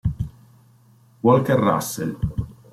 Walker Russell